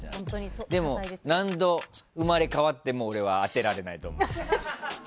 でも、何度生まれ変わっても俺は当てられないと思う。